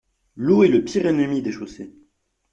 L’eau est le pire ennemi des chaussées.